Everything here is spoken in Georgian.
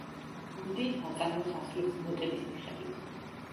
გუნდი ნაწარმოებს ასრულებს ნოტების მიხედვით.